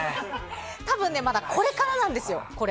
多分、これからなんですよ。